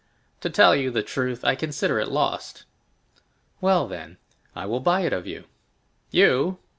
"To tell you the truth, I consider it lost." "Well, then, I will buy it of you!" "You?"